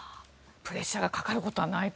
プレッシャーがかかることはないと。